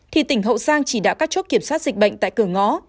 thì tỉnh hậu giang chỉ đạo các chốt kiểm soát dịch bệnh tại cửa ngõ